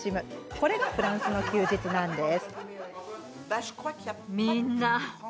これがフランスの休日なんです。